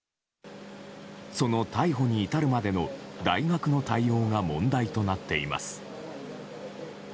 その逮捕に至るまでの大学の対応が問題となっています。